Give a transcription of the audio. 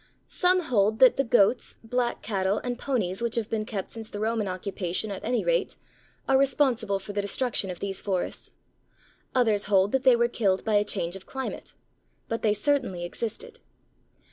Some hold that the goats, black cattle, and ponies which have been kept since the Roman occupation at any rate, are responsible for the destruction of these forests. Others hold that they were killed by a change of climate. But they certainly existed.